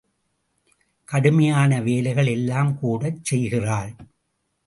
கடுமையான வேலைகள் எல்லாம் கூடச் செய்கிறாள்.